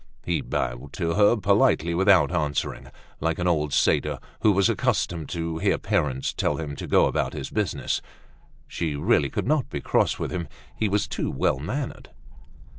He bowed to her politely without answering, like an old satyr who was accustomed to hear parents tell him to go about his business. She really could not be cross with him, he was too well mannered.